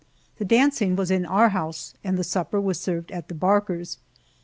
The dancing was in our house, and the supper was served at the Barkers'.